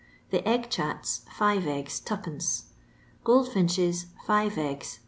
The egg chats, five eggs. %d. Gold finches, five eggs, M.